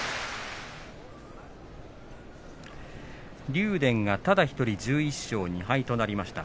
竜電がただ１人１１勝２敗となりました。